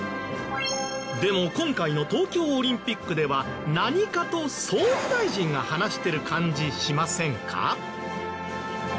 でも今回の東京オリンピックでは何かと総理大臣が話してる感じしませんか？